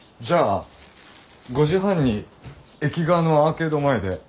じゃあ５時半に駅側のアーケード前で。